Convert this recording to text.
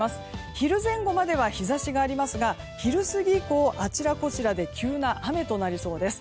昼前後までは日差しがありますが昼過ぎ以降、あちらこちらで急な雨となりそうです。